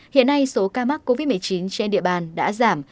hiện nay số ca mắc covid một mươi chín trên địa bàn đã giảm